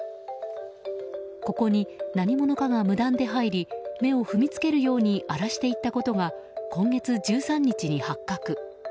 ここに何者かが無断で入り芽を踏みつけるように荒らしていったことが今月１３日に発覚。